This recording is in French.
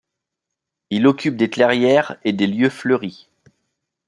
Il occupe des clairières et des lieux fleuris.